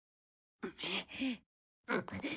うん？